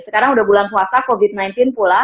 sekarang udah bulan puasa covid sembilan belas pula